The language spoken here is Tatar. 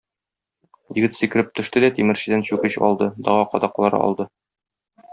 Егет сикереп төште дә тимерчедән чүкеч алды, дага кадаклары алды.